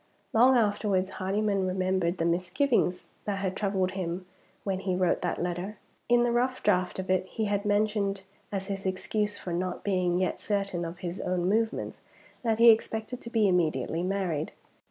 Long afterwards, Hardyman remembered the misgivings that had troubled him when he wrote that letter. In the rough draught of it, he had mentioned, as his excuse for not being yet certain of his own movements, that he expected to be immediately married.